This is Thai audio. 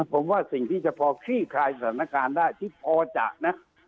ผมว่าสิ่งที่จะพอคลี่คลายสถานการณ์ได้ที่พอจะนะ